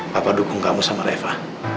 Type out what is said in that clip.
bapak dukung kamu sama reva